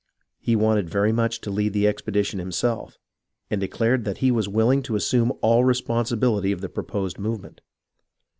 He wanted very much to lead the expe dition himself, and declared that he was willing to assume all the responsibility of the proposed movement.